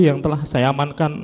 yang telah saya amankan